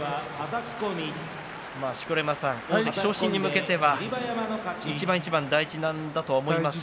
錣山さん、大関昇進に向けては一番一番大事なんだと思いますが。